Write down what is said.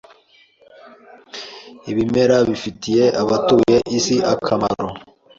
Ibimera bifitiye abatuye isi akamaro.